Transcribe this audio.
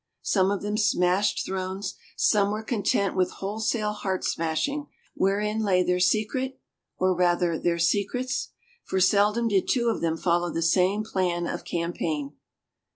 Some of them smashed thrones; some were con tent with wholesale heart smashing. Wherein lay their secret? Or, rather, their secrets? For seldom did two of them follow the same plan of campaign.